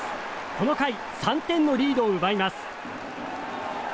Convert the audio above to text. この回３点のリードを奪います。